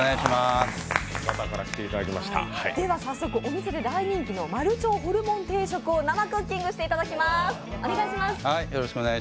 早速、お店で大人気の丸腸ホルモン定食を生クッキングしていただきます。